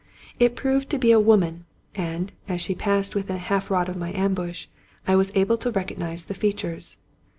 It proved to be a woman ; and, as she passed within half a rod of my ambush, I was able to recog nize the features.